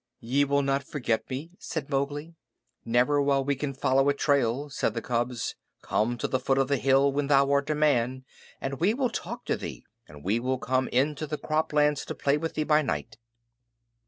"Ye will not forget me?" said Mowgli. "Never while we can follow a trail," said the cubs. "Come to the foot of the hill when thou art a man, and we will talk to thee; and we will come into the croplands to play with thee by night."